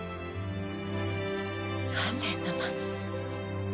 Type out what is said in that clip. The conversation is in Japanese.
半兵衛様。